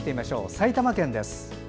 埼玉県です。